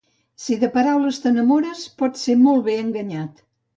Si de paraules t'enamores, pots ser molt bé enganyat.